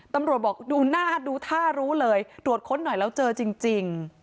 ตำรวจบอกดูหน้าดูท่ารู้เลยตรวจค้นหน่อยแล้วเจอจริง